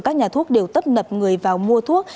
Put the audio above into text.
các nhà thuốc đều tấp nập người vào mua thuốc